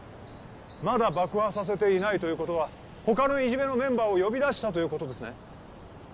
まだ爆破させていないということはほかのいじめのメンバーを呼び出したということですね